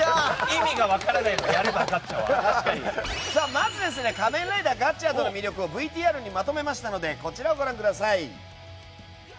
まず「仮面ライダーガッチャード」の魅力をＶＴＲにまとめましたのでご覧ください。